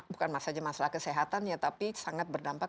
bukan saja masalah kesehatan ya tapi sangat berdampak